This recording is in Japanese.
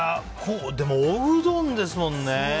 でも、おうどんですもんね。